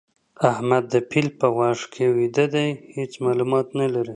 احمد د پيل په غوږ کې ويده دی؛ هيڅ مالومات نه لري.